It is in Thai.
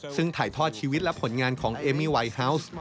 ซึ่งถ่ายทอดชีวิตและผลงานของเอมี่ไวฮาวส์